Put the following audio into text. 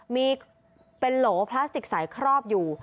มีเป็นโหลพลาสติกใสครอบอยู่